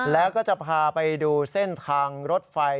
แล้วก็จะพาไปดูเส้นทางรถไฟ